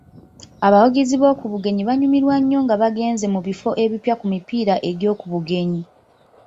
Abawagizi b'oku bugenyi banyumirwa nnyo nga bagenze mu bifo ebipya ku mipiira egy'oku bugenyi.